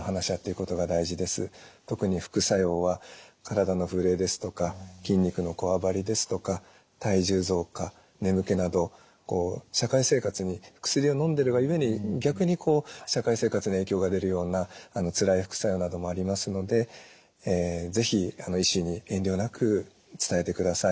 特に副作用は体の震えですとか筋肉のこわばりですとか体重増加眠気など社会生活に薬をのんでるがゆえに逆に社会生活に影響が出るようなつらい副作用などもありますので是非医師に遠慮なく伝えてください。